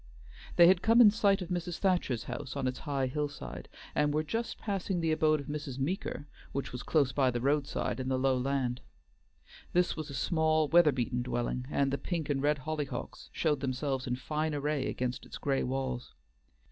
They had come in sight of Mrs. Thacher's house on its high hillside, and were just passing the abode of Mrs. Meeker, which was close by the roadside in the low land. This was a small, weather beaten dwelling, and the pink and red hollyhocks showed themselves in fine array against its gray walls.